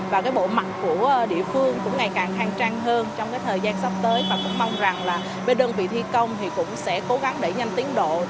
và cái bộ mặt của địa phương cũng ngày càng than trang hơn trong cái thời gian sắp tới